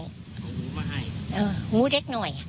เออหูเด็กหน่อย